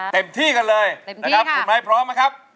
เต็มที่กันเลยนะครับคุณไม้พร้อมไหมครับ